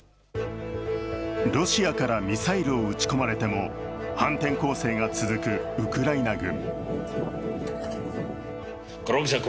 ロシアからミサイルを撃ち込まれても反転攻勢が続くウクライナ軍。